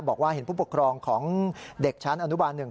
บอกว่าเห็นผู้ปกครองของเด็กชั้นอนุบาลหนึ่ง